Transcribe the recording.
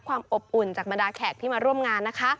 ความอบอุ่นจากบรรดาแขกที่มาร่วมงานนะคะ